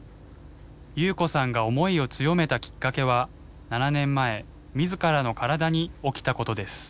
夕子さんが思いを強めたきっかけは７年前自らの体に起きたことです。